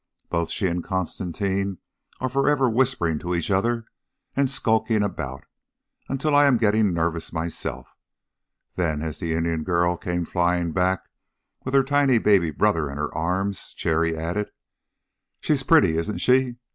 Both she and Constantine are forever whispering to each other and skulking about, until I am getting nervous myself." Then as the Indian girl came flying back with her tiny baby brother in her arms, Cherry added: "She's pretty, isn't she?